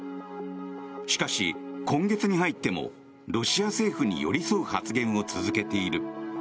しかし、今月に入ってもロシア政府に寄り添う発言を続けている。